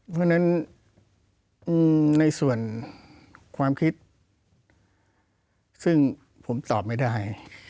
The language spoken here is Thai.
เพราะฉะนั้นในส่วนความคิดซึ่งผมตอบไม่ได้